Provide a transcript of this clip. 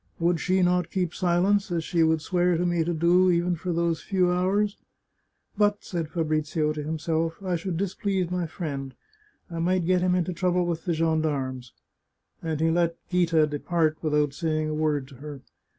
Would she not keep silence, as she would swear to me to do, even for those few hours? But," said Fabrizio to himself, " I should displease my friend ; I might get him into trouble with the gendarmes." And he let Ghita depart without saying a word to her.